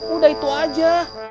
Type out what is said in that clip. udah itu aja